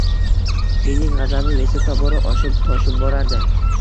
Mening g`azabim esa tobora oshib-toshib borardi